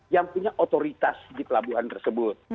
yang punya otoritas di pelabuhan tersebut